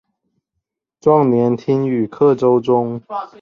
壮年听雨客舟中。